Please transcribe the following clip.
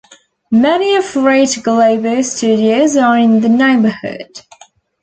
Many of Rede Globo's studios are in the neighbourhood.